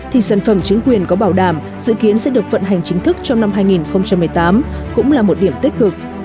thì sản phẩm chứng quyền có bảo đảm dự kiến sẽ được vận hành chính thức trong năm hai nghìn một mươi tám cũng là một điểm tích cực